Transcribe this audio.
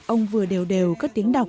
ông vừa đều đều cất tiếng đọc